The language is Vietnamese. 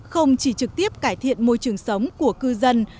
không chỉ trực tiếp cải thiện môi trường sống của cư dân